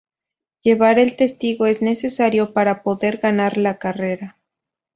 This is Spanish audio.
Llevar el testigo es necesario para poder ganar la carrera.